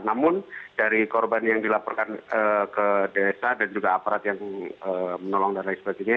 namun dari korban yang dilaporkan ke desa dan juga aparat yang menolong dan lain sebagainya